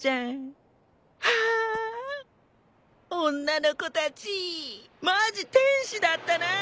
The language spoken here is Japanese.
ハァ女の子たちマジ天使だったなぁ。